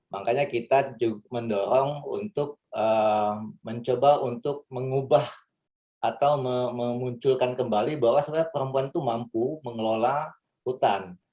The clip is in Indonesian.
makanya kita mendorong untuk mencoba untuk mengubah atau memunculkan kembali bahwa sebenarnya perempuan itu mampu mengelola hutan